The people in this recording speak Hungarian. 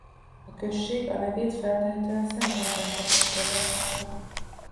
A község a nevét feltehetően Szent András apostoltól kapta.